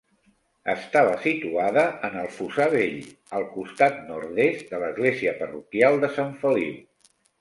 Estava situada en el fossar vell, al costat nord-est de l'església parroquial de Sant Feliu.